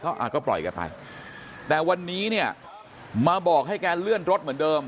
อ่าก็ปล่อยแกไปแต่วันนี้เนี่ยมาบอกให้แกเลื่อนรถเหมือนเดิม